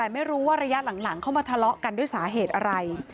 แต่ไม่รู้ว่าระยะหลังเข้ามาทะเลาะกันด้วยสาเหตุอะไร